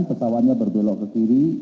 pesawatnya berbelok ke kiri